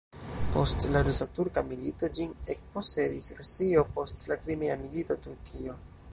Post la rusa-turka milito, ĝin ekposedis Rusio, post la Krimea milito Turkio.